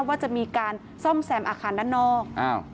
ว่าจะมีการซ่อมแซมอาคารด้านนอก